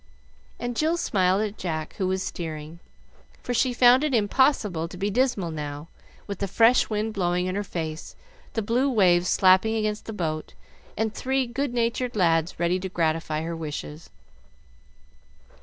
and Jill smiled at Jack, who was steering, for she found it impossible to be dismal now with the fresh wind blowing in her face, the blue waves slapping against the boat, and three good natured lads ready to gratify her wishes.